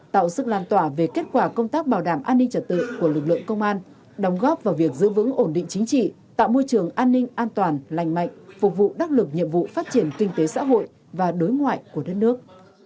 tạo sức lan tỏa về kết quả công tác bảo đảm an ninh trật tự của lực lượng công an đóng góp vào việc giữ vững ổn định chính trị tạo môi trường an ninh an toàn lành mạnh phục vụ đắc lực nhiệm vụ phát triển kinh tế xã hội và đối ngoại của đất nước